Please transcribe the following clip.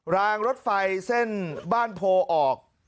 รางรถไฟเส้นบ้านโพออก